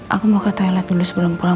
aku mau ke toilet dulu sebelum pulang